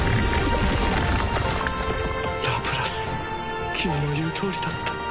ラプラス君の言う通りだった